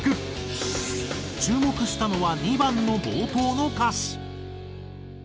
注目したのは２番の冒頭の歌詞。